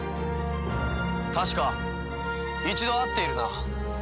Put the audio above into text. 確か一度会っているな。